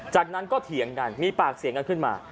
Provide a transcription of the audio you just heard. จากนั้นก็เถียงกันมีปากเสียงกันขึ้นมา